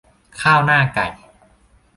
ข้าวหน้าไก่